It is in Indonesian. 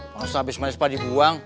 masa abis manis apa dibuang